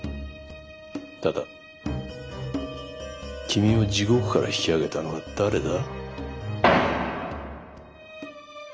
ただ君を地獄から引き上げたのは誰だ？